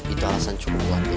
itu alasan cukup buat dia